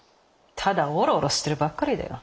ただおろおろしてるばっかりだよ。